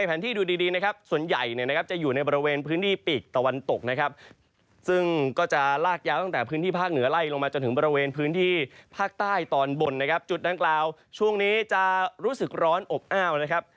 ภาคใต้ตอนบนนะครับจุดดังกล่าวช่วงนี้จะรู้สึกร้อนอบอ้าวนะครับ